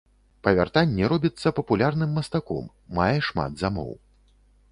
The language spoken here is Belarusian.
Па вяртанні робіцца папулярным мастаком, мае шмат замоў.